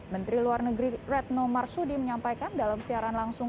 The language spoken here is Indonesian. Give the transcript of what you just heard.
menteri luar negeri retno marsudi menyampaikan dalam siaran langsung